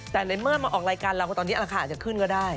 แต่ในเมื่อมาออกรายการเราก็ตอนนี้ราคาอาจจะขึ้นก็ได้